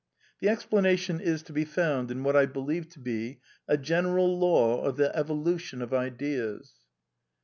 The explanation is to be found in what I be lieve to be a general law of the evolution of ideas.